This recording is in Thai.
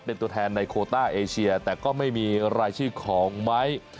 เป็นตัวแทนในโคต้าเอเชียแต่ก็ไม่มีรายชื่อของไม้